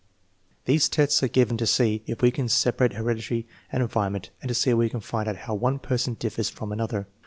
"These tests are given to see if we can separate heredity and en vironment and to see if we can find out how one person differs from another.